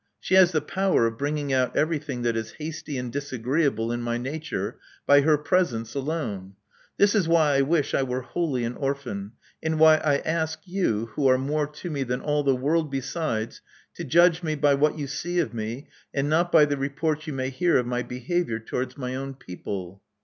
She has the power of bringing out everything that is hasty and disagreeable in my nature by her presence alone. This is why I wish I were wholly an orphan, and why I ask you, who are more to me than all the world besides, to judge me by what you see of me, and not by the reports you may hear of my behavior towards my own people."